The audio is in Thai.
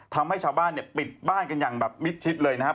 ทำให้ชาวบ้านปิดบ้านกันอย่างมิดทิศเลยนะครับ